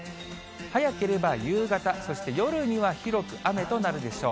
早ければ夕方、そして夜には広く雨となるでしょう。